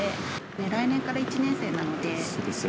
来年から１年生なので。